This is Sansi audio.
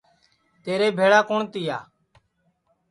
تیرے بھیݪا کُوٹؔ تِیا